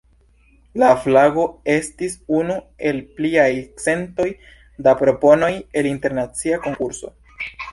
La flago estis unu el pliaj centoj da proponoj el internacia konkurso.